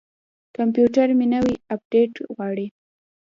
کمپیوټر مې نوی اپډیټ غواړي.